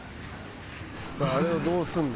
さああれをどうするの？